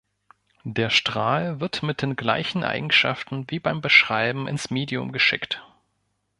Der Strahl wird mit den gleichen Eigenschaften wie beim Beschreiben ins Medium geschickt.